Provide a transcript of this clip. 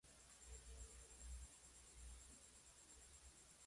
Irónicamente, desde el punto de vista occidental, su símbolo es la paloma.